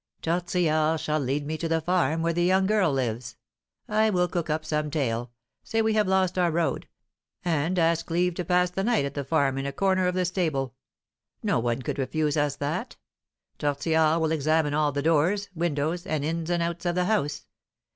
"Tortillard shall lead me to the farm where the young girl lives. I will cook up some tale say we have lost our road, and ask leave to pass the night at the farm in a corner of the stable. No one could refuse us that. Tortillard will examine all the doors, windows, and ins and outs of the house.